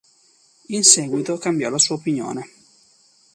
In seguito cambiò la sua opinione.